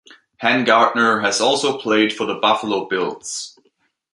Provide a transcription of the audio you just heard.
Hangartner has also played for the Buffalo Bills.